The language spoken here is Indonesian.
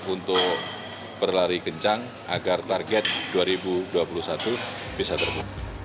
untuk berlari kencang agar target dua ribu dua puluh satu bisa terbuka